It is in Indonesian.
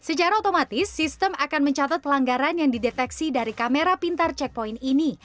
secara otomatis sistem akan mencatat pelanggaran yang dideteksi dari kamera pintar checkpoint ini